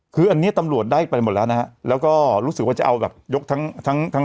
คืออันนี้ตำรวจได้ไปหมดแล้วนะฮะแล้วก็รู้สึกว่าจะเอาแบบยกทั้งทั้ง